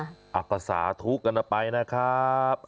อักษาทุกข์กันต่อไปนะครับ